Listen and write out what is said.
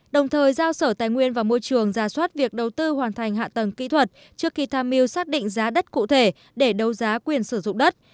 đồng thời giao sở tài nguyên và môi trường ra soát việc đầu tư hoàn thành hạ tầng kỹ thuật trước khi tham mưu xác định giá đất cụ thể để đấu giá quyền sử dụng đất